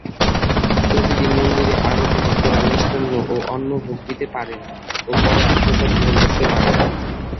প্রতি দিন মন্দিরে আগত ভক্তরা মিষ্টান্ন ও অন্ন ভোগ দিতে পারেন ও পরে প্রসাদ গ্রহণ করতে পারেন।